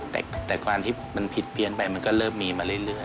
แต่ความที่มันผิดเพี้ยนไปมันก็เริ่มมีมาเรื่อย